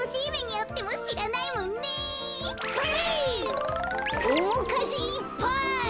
おもかじいっぱい！